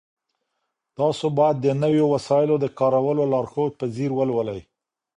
تاسو باید د نويو وسایلو د کارولو لارښود په ځیر ولولئ.